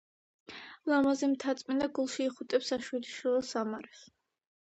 ლამააზი მთაწმინდა გულში იხუტებს საშვილიშვილო სამარეს.